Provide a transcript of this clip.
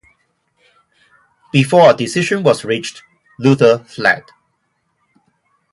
Before a decision was reached, Luther fled.